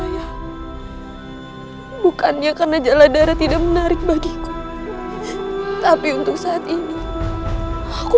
ya bukannya karena jala darah tidak menarik bagiku tapi untuk saat ini aku